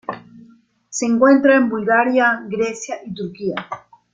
Se encuentra en Bulgaria, Grecia y Turquía.